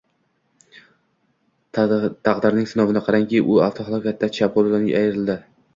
Taqdirning sinovini qarangki, u avtohalokatda chap qoʻlidan ayrildi